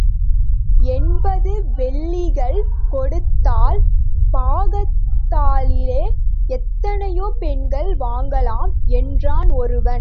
எண்பது வெள்ளிகள் கொடுத்தால் பாக்தாதிலே எத்தனையோ பெண்கள் வாங்கலாம்! என்றான் ஒருவன்.